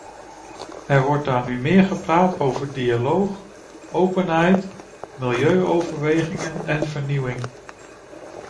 Er wordt daar nu meer gepraat over dialoog, openheid, milieuoverwegingen en vernieuwing.